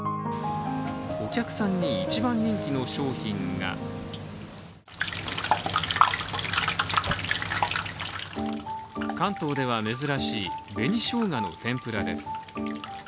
お客さんに一番人気の商品が関東では珍しい紅しょうがの天ぷらです。